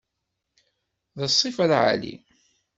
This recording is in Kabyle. D ssifa lɛali.